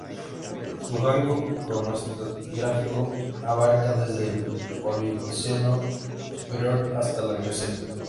Su rango cronoestratigráfico abarca desde el Oligoceno superior hasta la Mioceno.